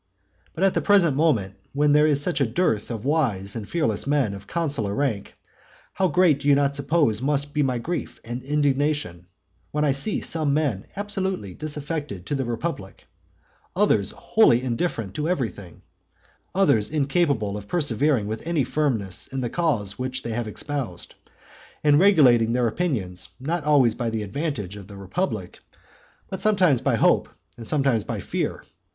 But at the present moment, when there is such a dearth of wise and fearless men of consular rank, how great do you not suppose must be my grief and indignation, when I see some men absolutely disaffected to the republic, others wholly indifferent to everything, others incapable of persevering with any firmness in the cause which they have espoused; and regulating their opinions not always by the advantage of the republic, but sometimes by hope, and sometimes by fear.